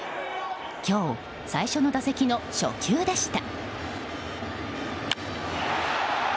今日、最初の打席の初球でした。